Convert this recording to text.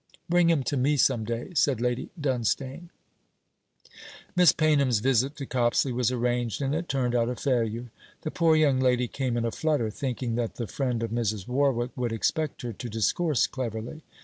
'Bring him to me some day,' said Lady Dunstane. Miss Paynham's visit to Copsley was arranged, and it turned out a failure. The poor young lady came in a flutter, thinking that the friend of Mrs. Warwick would expect her to discourse cleverly.